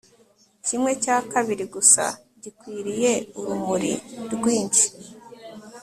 Kimwe cya kabiri gusa gitwikiriye urumuri rwinshi